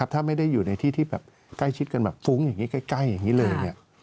ถ้าไม่ได้อยู่ในที่ที่แบบใกล้ชิดกันแบบฟุ้งอย่างนี้ใกล้อย่างนี้เลย